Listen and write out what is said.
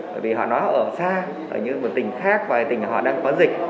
bởi vì họ nói họ ở xa ở những tỉnh khác và tỉnh họ đang có dịch